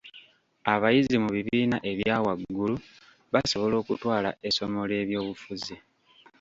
Abayizi mu bibiina ebya waggulu basobola okutwala essomo ly'ebyobufuzi.